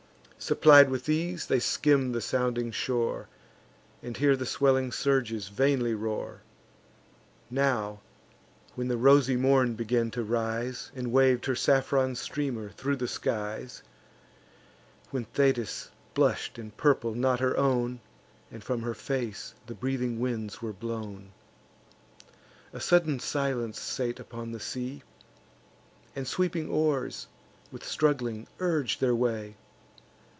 Supplied with these, they skim the sounding shore, And hear the swelling surges vainly roar. Now, when the rosy morn began to rise, And wav'd her saffron streamer thro' the skies; When Thetis blush'd in purple not her own, And from her face the breathing winds were blown, A sudden silence sate upon the sea, And sweeping oars, with struggling, urge their way.